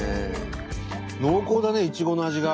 濃厚だねいちごの味が。